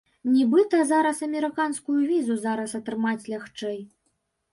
Нібыта, зараз амерыканскую візу зараз атрымаць лягчэй.